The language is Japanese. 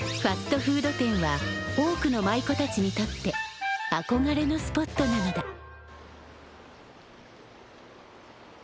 ファストフード店は多くの舞妓たちにとって憧れのスポットなのだ。